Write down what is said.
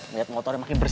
liat motornya makin keren